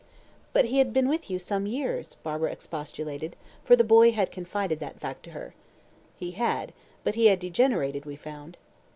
"But he had been with you some years," Barbara expostulated, for the boy had confided that fact to her. "He had, but he had degenerated, we found."